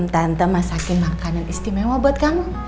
tante masakin makanan istimewa buat kamu